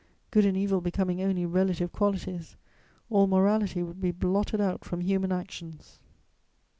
Good and evil becoming only relative qualities, all morality would be blotted out from human actions.